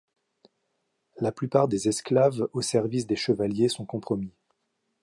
La plupart des esclaves au service des chevaliers sont compromis.